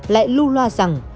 lại lưu loa rằng